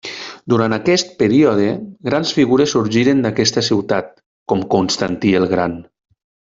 Durant aquest període, grans figures sorgiren d'aquesta ciutat, com Constantí el Gran.